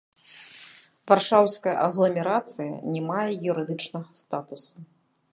Варшаўская агламерацыя не мае юрыдычнага статусу.